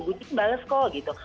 gue ini bales kok gitu